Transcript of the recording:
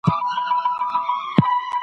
خپل پلانونه پټ وساتئ.